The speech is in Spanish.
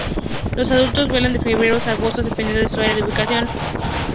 Los adultos vuelan de febrero a agosto, dependiendo de su área de ubicación.